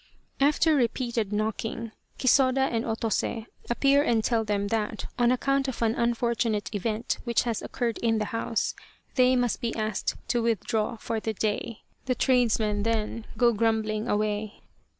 After repeated knocking, Kisoda and Otose appear and tell them that, on account of an unfortunate event which has occurred in the house, they must be asked to with draw for the day. The tradesmen then go grumbling away.